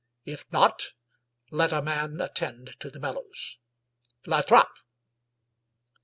If not, let a man attend to the bellows. La Trape!"